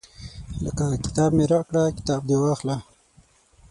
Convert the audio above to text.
لکه کتاب مې راکړه کتاب دې واخله.